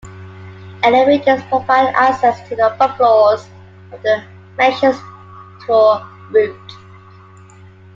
Elevators provide access to the upper floors of the Mansion's tour route.